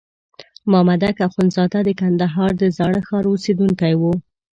مامدک اخندزاده د کندهار د زاړه ښار اوسېدونکی وو.